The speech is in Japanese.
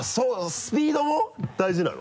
スピードも大事なの？